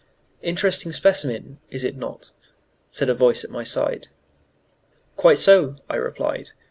"Interesting specimen, is it not?" said a voice at my side. "Quite so," I replied.